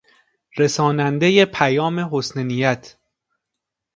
رسانندهی پیام حسن نیت